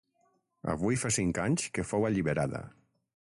Avui fa cinc anys que fou alliberada.